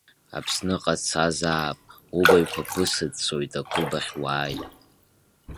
Аԥсныҟа дцазаап, убаҩқәа ԥысыҵәҵәоит аклуб ахь уааи!